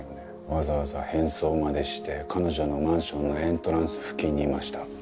わざわざ変装までして彼女のマンションのエントランス付近にいました。